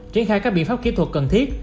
triển khai các biện pháp kỹ thuật cần thiết